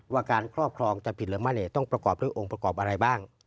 ว่าการครอบครองจะผิดหรือไม่ต้องประกอบด้วยองค์ประกอบอะไรบ้าง